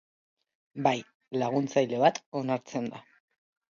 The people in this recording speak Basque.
Bai, laguntzaile bat onartzen da.